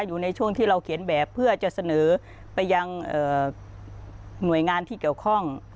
อยู่ในช่วงที่เราเขียนแบบเพื่อจะเสนอไปยังหน่วยงานที่เกี่ยวข้อง